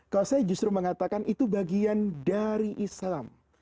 kalau saya justru mengatakan itu bagian dari islam